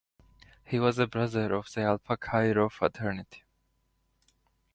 He was a brother of the Alpha Chi Rho fraternity.